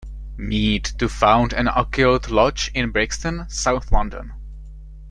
Mead to found an occult lodge in Brixton, South London.